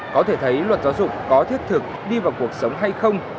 có thể thấy luật giáo dục có thiết thực đi vào cuộc sống hay không